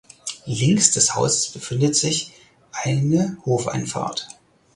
Links des Hauses befindet sich eine Hofeinfahrt.